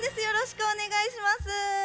よろしくお願いします。